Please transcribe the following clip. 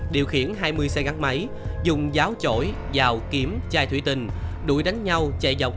điều khiển hai mươi xe gắn máy dùng giáo chổi dào kiếm chai thủy tình đuổi đánh nhau chạy dọc